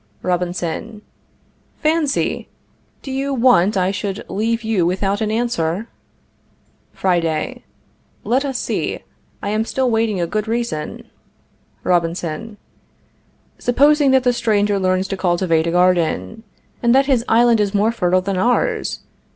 Robinson. Fancy! Do you want I should leave you without an answer? Friday. Let us see; I am still waiting a good reason. Robinson. Supposing that the stranger learns to cultivate a garden, and that his island is more fertile than ours.